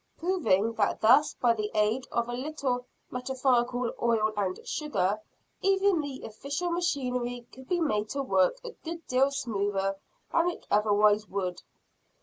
Proving that thus by the aid of a little metaphorical oil and sugar, even official machinery could be made to work a good deal smoother than it otherwise would.